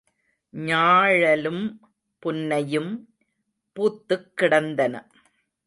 ஞாழலும், புன்னையும் பூத்துக் கிடந்தன.